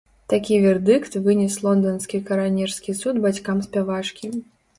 Такі вердыкт вынес лонданскі каранерскі суд бацькам спявачкі.